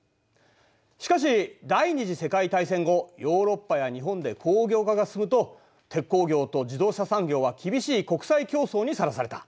しかし第二次世界大戦後ヨーロッパや日本で工業化が進むと鉄鋼業と自動車産業は厳しい国際競争にさらされた。